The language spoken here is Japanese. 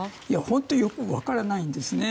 本当によく分からないんですね。